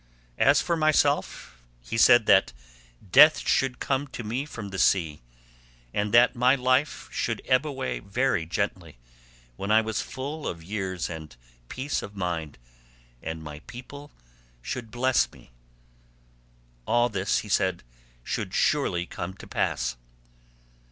As for myself, he said that death should come to me from the sea, and that my life should ebb away very gently when I was full of years and peace of mind, and my people should bless me. All this, he said, should surely come to pass."